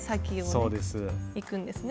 そうです。